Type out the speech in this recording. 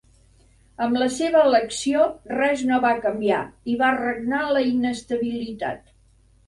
Amb la seva elecció, res no va canviar i va regnar la inestabilitat.